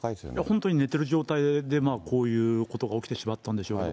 本当に寝てる状態でこういうことが起きてしまったんでしょうね。